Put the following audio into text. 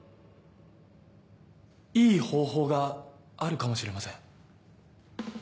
いい方法があるかもしれません。